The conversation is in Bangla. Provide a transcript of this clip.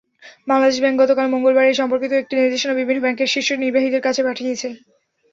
বাংলাদেশ ব্যাংক গতকাল মঙ্গলবার এ-সম্পর্কিত একটি নির্দেশনা বিভিন্ন ব্যাংকের শীর্ষ নির্বাহীদের কাছে পাঠিয়েছে।